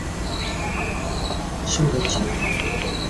Xúrocho.